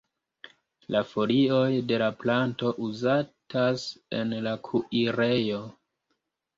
La folioj de la planto uzatas en la kuirejo.